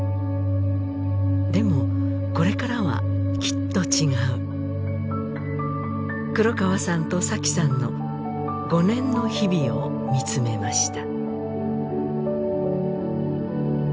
でもこれからはきっと違う黒川さんと紗妃さんの５年の日々を見つめました